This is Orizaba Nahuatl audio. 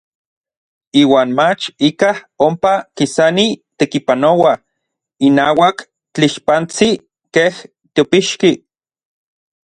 Iuan mach ikaj ompa kisani tekipanoua inauak tlixpantsin kej teopixki.